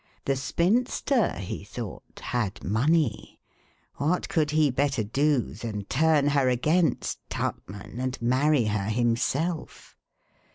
The spinster, he thought, had money; what could he better do than turn her against Tupman, and marry her himself?